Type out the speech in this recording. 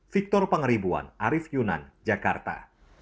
victor pangeribuan arief yunan jakarta